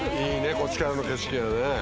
こっちからの景色がね。